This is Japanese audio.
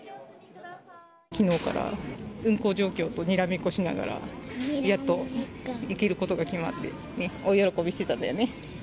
きのうから運航状況とにらめっこしながら、やっと行けることが決まってね、大喜びしてたんだよね。